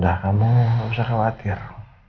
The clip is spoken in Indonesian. lah kamu nggak usah khawatir